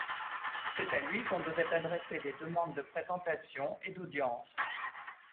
C'est à lui qu'on devait adresser les demandes de présentation et d'audience.